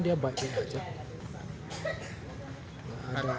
dia berdagang di jalan raja